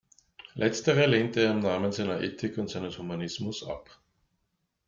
Letztere lehnte er im Namen seiner Ethik und seines Humanismus ab.